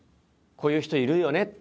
「こういう人いるよね」